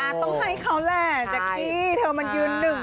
ต้องให้เขาแหละแจ๊กกี้เธอมันยืนหนึ่ง